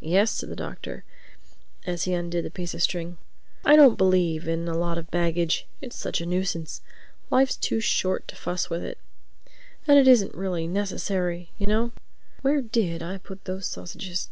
"Yes," said the Doctor, as he undid the piece of string. "I don't believe in a lot of baggage. It's such a nuisance. Life's too short to fuss with it. And it isn't really necessary, you know—Where did I put those sausages?"